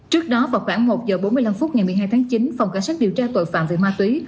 trước đó vào khoảng một h bốn mươi năm phút ngày một mươi hai tháng chín phòng cảnh sát điều tra tội phạm về ma túy